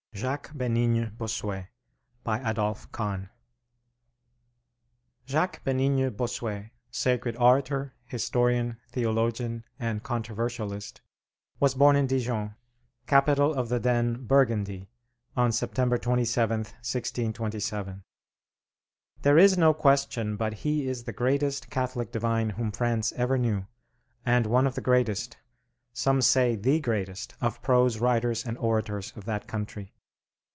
JACQUES BÉNIGNE BOSSUET (1627 1704) BY ADOLPHE COHN Jaques Bénigne Bossuet, sacred orator, historian, theologian, and controversialist, was born in Dijon, capital of the then Burgundy, on September 27th, 1627. There is no question but he is the greatest Catholic divine whom France ever knew, and one of the greatest, some say the greatest, of prose writers and orators of that country.